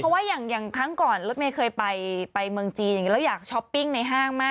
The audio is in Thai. เพราะว่าอย่างทั้งก่อนรถเมฆเคยไปเมืองจีนอยากช้อปปิ้งในห้างมา